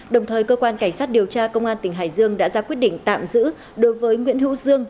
đồng thời cơ quan cảnh sát điều tra công an tỉnh hải dương đã ra quyết định tạm giữ đối với nguyễn hữu dương